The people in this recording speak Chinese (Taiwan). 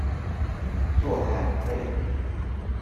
座談會